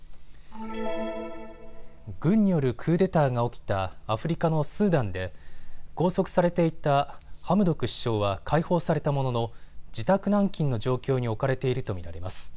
軍によるクーデターが起きたアフリカのスーダンで拘束されていたハムドク首相は解放されたものの自宅軟禁の状況に置かれていると見られます。